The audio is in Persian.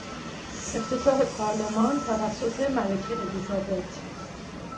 افتتاح پارلمان توسط ملکه الیزابت